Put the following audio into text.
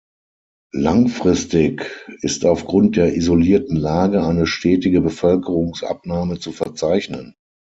Langfristig ist aufgrund der isolierten Lage eine stetige Bevölkerungsabnahme zu verzeichnen.